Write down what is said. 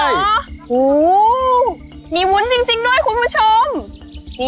โอ้โหมีวุ้นจริงด้วยคุณผู้ชม